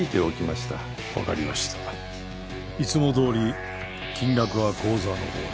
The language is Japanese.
いつもどおり金額は口座のほうに。